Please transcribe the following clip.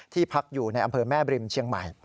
พักอยู่ในอำเภอแม่บริมเชียงใหม่